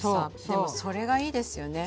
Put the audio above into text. でもそれがいいですよね。